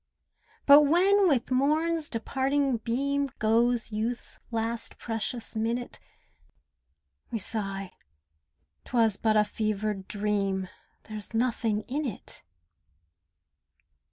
But when with morn's departing beam Goes youth's last precious minute, We sigh "'Twas but a fevered dream— There's nothing in it."